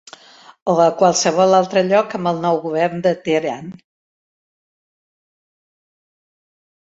o a qualsevol altre lloc amb el nou govern de Tehran.